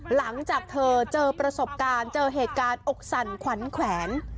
หลังจากเธอเจอประสบการณ์เจอเหตุการณ์อกสั่นขวัญแขวน